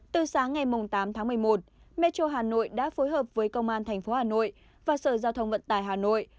từ sáng ngày tám tháng một mươi một metro hà nội đã phối hợp với công an tp hà nội và sở giao thông vận tải hà nội